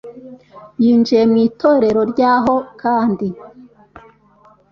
yinjiye mu itorero ryaho kandi